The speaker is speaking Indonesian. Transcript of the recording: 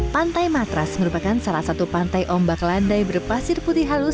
pantai matras merupakan salah satu pantai ombak landai berpasir putih halus